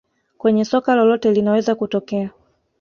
Kwenye soka lolote linaweza kutokea